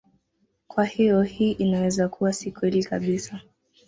Kwa hiyo hii inaweza kuwa si kweli kabisa.